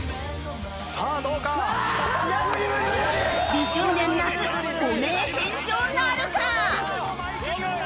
美少年那須汚名返上なるか！？